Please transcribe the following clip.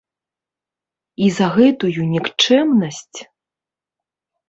І за гэтую нікчэмнасць?